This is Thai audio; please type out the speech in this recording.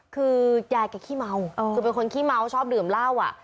คือยายแกขี้เมาคือเป็นคนขี้เมาชอบดื่มเหล้าอ่ะ